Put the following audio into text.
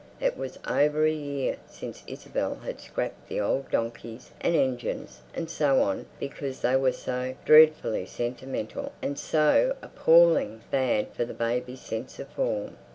It was over a year since Isabel had scrapped the old donkeys and engines and so on because they were so "dreadfully sentimental" and "so appallingly bad for the babies' sense of form."